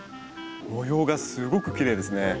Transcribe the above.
模様がすごくきれいですね。